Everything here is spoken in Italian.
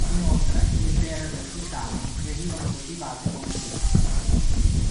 Inoltre le terre del Sultano venivano coltivate con cura.